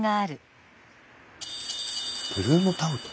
ブルーノ・タウト？